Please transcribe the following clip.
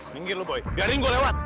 minggir lu boy biarin gue lewat